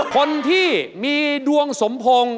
คนที่มีดวงสมพงศ์